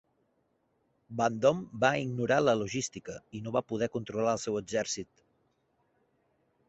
Van Dom va ignorar la logística i no va poder controlar el seu exèrcit.